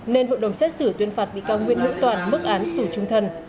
nên hội đồng xét xử tuyên phạt bị cao nguyễn hữu toàn mức án tủ trung thân